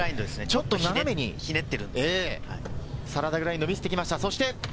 ちょっと斜めにサラダグラインド見せてきました。